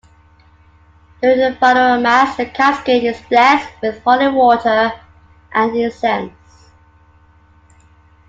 During the Funeral Mass, the casket is blessed with holy water and incense.